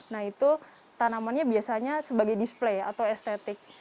nah itu tanamannya biasanya sebagai display atau estetik